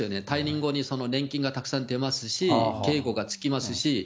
退任後に年金がたくさん出ますし、警護がつきますし。